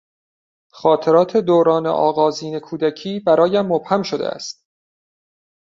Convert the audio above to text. خاطرات دوران آغازین کودکی برایم مبهم شده است.